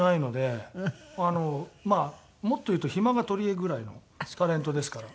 あのまあもっと言うと暇が取りえぐらいのタレントですから本当に。